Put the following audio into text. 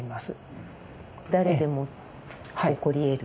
誰でも起こり得る。